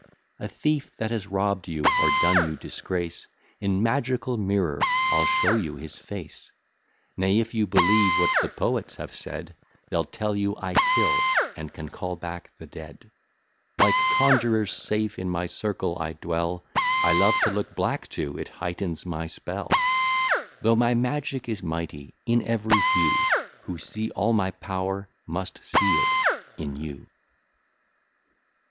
A thief that has robb'd you, or done you disgrace, In magical mirror, I'll show you his face: Nay, if you'll believe what the poets have said, They'll tell you I kill, and can call back the dead. Like conjurers safe in my circle I dwell; I love to look black too, it heightens my spell; Though my magic is mighty in every hue, Who see all my power must see it in you.